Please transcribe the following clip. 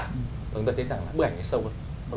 chúng ta thấy rằng bức ảnh này sâu hơn